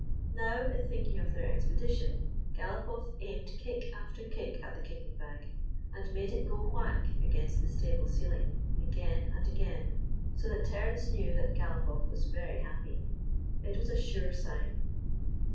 Now, in thinking of their expedition, Galop off aimed kick after kick at the kicking bag, and made it go whack against the stable ceiling, again and again, so that Terence knew that Galopoff was very happy. It was a sure sign.